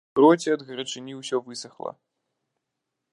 У роце ад гарачыні ўсё высахла.